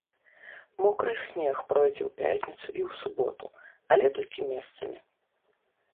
Мокры снег пройдзе ў пятніцу і ў суботу, але толькі месцамі.